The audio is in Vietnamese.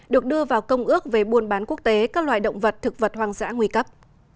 được đưa vào công ước về buôn bán quốc tế các loài động vật thực vật hoang dã nguy cấp